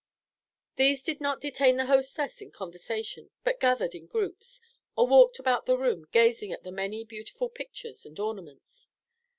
These did not detain the hostess in conversation, but gathered in groups, or walked about the room gazing at the many beautiful pictures and ornaments.